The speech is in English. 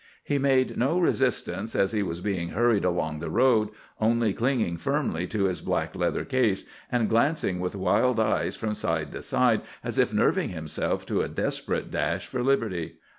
He made no resistance as he was being hurried along the road, only clinging firmly to his black leather case, and glancing with wild eyes from side to side as if nerving himself to a desperate dash for liberty.